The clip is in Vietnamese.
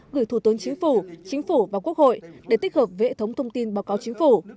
gửi thủ tướng chính phủ chính phủ và quốc hội để tích hợp với hệ thống thông tin báo cáo chính phủ